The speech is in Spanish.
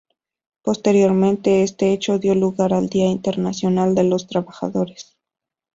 Posteriormente este hecho dio lugar al Día Internacional de los Trabajadores.